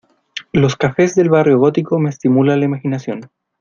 Los cafés del Barrio Gótico me estimulan la imaginación.